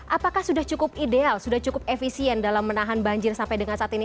apakah sudah cukup ideal sudah cukup efisien dalam menahan banjir sampai dengan saat ini